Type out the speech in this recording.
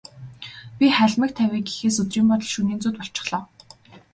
Би халимаг тавья гэхээс өдрийн бодол, шөнийн зүүд болчихлоо.